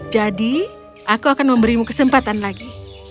jadi aku akan memberimu kesempatan lagi